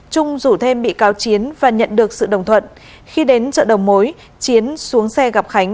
trung rủ thêm bị cáo chiến và nhận được sự đồng thuận khi đến chợ đầu mối chiến xuống xe gặp khánh